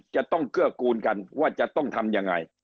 จะต้องเกื้อกูลกันว่าจะต้องทำยังไง